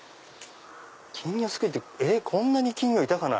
金魚すくいってこんなに金魚いたかな？